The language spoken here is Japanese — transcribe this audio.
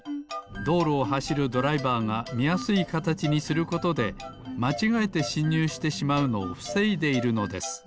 どうろをはしるドライバーがみやすいかたちにすることでまちがえてしんにゅうしてしまうのをふせいでいるのです。